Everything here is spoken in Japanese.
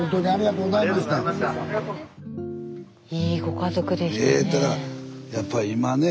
いいご家族でしたね。